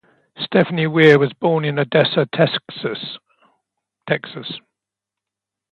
Stephnie Weir was born in Odessa, Texas.